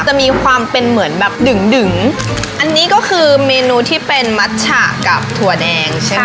จะมีความเป็นเหมือนแบบดึงดึงอันนี้ก็คือเมนูที่เป็นมัชฉะกับถั่วแดงใช่ไหมค